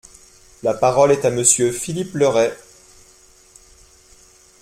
La parole est à Monsieur Philippe Le Ray.